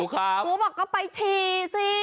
ครูบอกก็ไปฉี่สิ